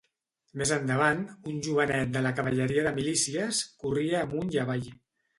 Més endavant, un jovenet de la cavalleria de milícies corria amunt i avall